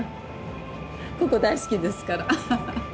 ここ大好きですから。